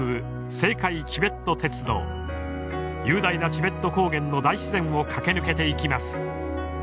雄大なチベット高原の大自然を駆け抜けていきます。